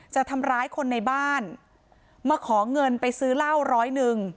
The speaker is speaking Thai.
จะทำร้ายคนในบ้านมาขอเงินไปซื้อเหล้าร้อยหนึ่ง